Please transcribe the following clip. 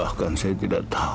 bahkan saya tidak tahu